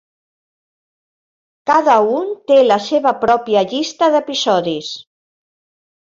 Cada un té la seva pròpia llista d'episodis.